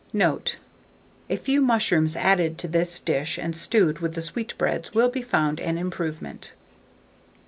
Note. A few mushrooms added to this dish, and stewed with the sweetbreads, will be found an improvement.